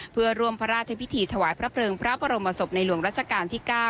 เพื่อร่วมพระราชพิธีถวายพระเพลิงพระบรมศพในหลวงรัชกาลที่๙